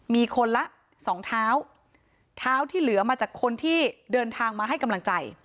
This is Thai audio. มีคนละสองเท้าเท้าที่เหลือมาจากคนที่เดินทางมาให้กำลังใจ